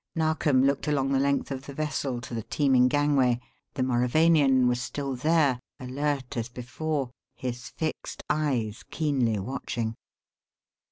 Narkom looked along the length of the vessel to the teeming gangway. The Mauravanian was still there, alert as before, his fixed eyes keenly watching.